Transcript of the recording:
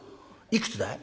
いくつだい？